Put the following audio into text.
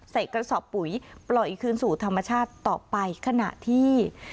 กระสอบปุ๋ยปล่อยคืนสู่ธรรมชาติต่อไปขณะที่